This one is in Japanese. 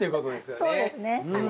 そうですねはい。